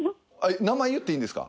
名前言っていいんですか？